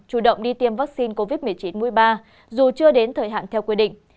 chủ động đi tiêm vaccine covid một mươi chín mũi ba dù chưa đến thời hạn theo quy định